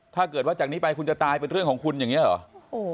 ถ้าเกิดว่าจากนี้ไปคุณจะตายเป็นเรื่องของคุณอย่างนี้เหรอ